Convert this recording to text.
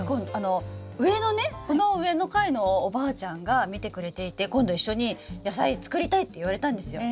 上のねこの上の階のおばあちゃんが見てくれていて今度一緒に野菜作りたいって言われたんですよ。